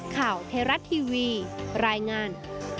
ข่าวเทราะทีวีรายงาน